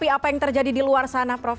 apa yang terjadi di luar sana prof